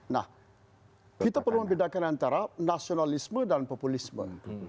nah kita perlu membedakan antara nasionalisme dan populisme